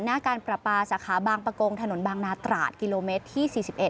หน้าการประปาสาขาบางประกงถนนบางนาตราดกิโลเมตรที่๔๑